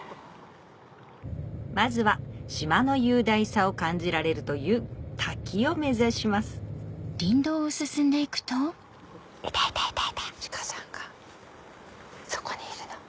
まずは島の雄大さを感じられるという滝を目指しますいたいた鹿さんがそこにいるの。